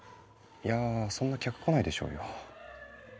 いやそんな客来ないでしょうよ。